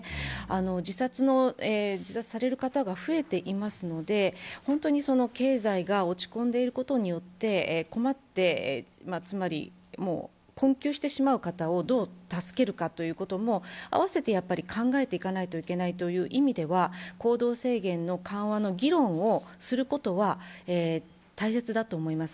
自殺される方が増えていますので、本当に経済が落ち込んでいることによって困って、つまり、困窮してしまう方をどう助けるかということも併せて考えていかなければいけないという意味では行動制限の緩和の議論をすることは大切だと思います。